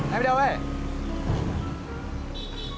em đi đâu vậy